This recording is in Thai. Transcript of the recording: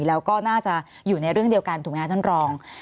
แล้วก็น่าจะอยู่ในเรื่องเดียวกันถูกไหมครับท่านรอง